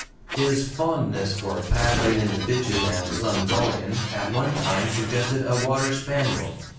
His fondness for paddling in the ditches and "slumgullion" at one time suggested a water spaniel.